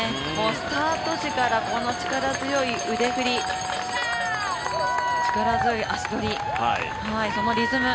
スタート時からこの力強い腕振り力強い足取り、そのリズム